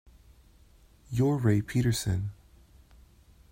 You're Ray Peterson.